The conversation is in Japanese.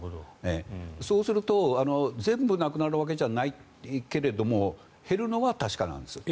そうすると全部なくなるわけじゃないけれども減るのは確かなんです。